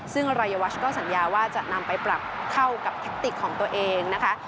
ซึ่งรายวัชก็สัญญาว่าจะนำไปปรับเข้ากับแทคติกของตัวเองนะคะ